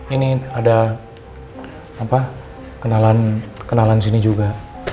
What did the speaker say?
ini ada kenalan sini juga